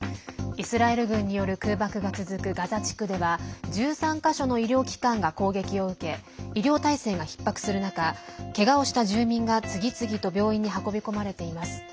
イスラエル軍による空爆が続くガザ地区では１３か所の医療機関が攻撃を受け医療体制がひっ迫する中けがをした住民が、次々と病院に運び込まれています。